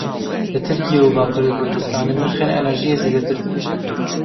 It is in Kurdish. Li Tirkiye û Bakurê Kurdistanê nirxên enerjiyê zêdetir dibin.